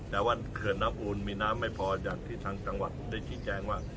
แต่ว่าเขื่อนน้ำอูนมีน้ำไม่พออย่างที่ทางจังหวัดได้ชี้แจงว่า